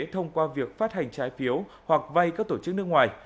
thông qua việc phát hành trái phiếu hoặc vay các tổ chức nước ngoài